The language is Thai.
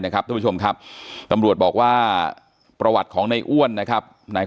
นะครับทุกผู้ชมครับตำรวจบอกว่าประวัติของในอ้วนนะครับไหน